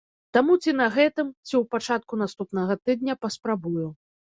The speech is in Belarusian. Таму ці на гэтым, ці ў пачатку наступнага тыдня паспрабую.